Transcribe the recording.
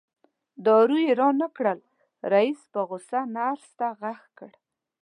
دارو یې رانه کړل رئیس په غوسه نرس ته غږ کړ.